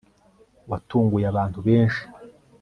watunguye abantu benshi